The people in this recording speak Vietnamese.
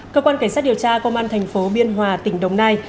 cơ quan cảnh sát điều tra công an tp biên hòa tỉnh đồng nai